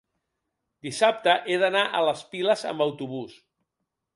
dissabte he d'anar a les Piles amb autobús.